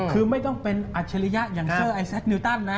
คือไม่ต้องเป็นอัจฉริยะอย่างเซอร์ไอแซคนิวตันนะ